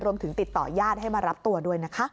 รวมถึงติดต่อย่าดให้มารับตัวด้วยนะคะ